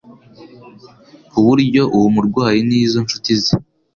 ku buryo uwo murwayi n'izo nshuti ze,